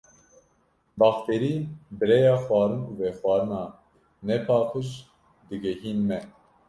Bakterî bi rêya xwarin û vexwarina nepaqij digihîn me.